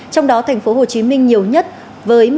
trong đó tp hcm nhiều nhất với một chín ca